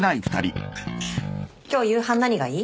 今日夕飯何がいい？